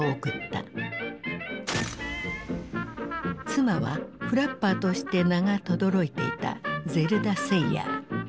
妻はフラッパーとして名がとどろいていたゼルダ・セイヤー。